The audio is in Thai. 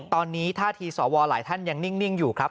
ตอนนี้ท่าทีสวหลายท่านยังนิ่งอยู่ครับ